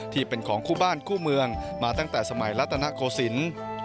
ที่เป็นของคู่บ้านคู่เมืองมาตั้งแต่สมัยรัตนโกศิลป์